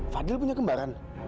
fadil punya kembaran